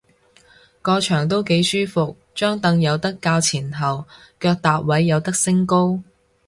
個場都幾舒服，張櫈有得較前後，腳踏位有得升高